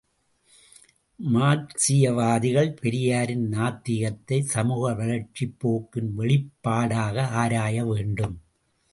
மார்க்சீயவாதிகள் பெரியாரின் நாத்திகத்தை, சமூக வளர்ச்சிப் போக்கின் வெளிப்பாடாக ஆராய வேண்டும்.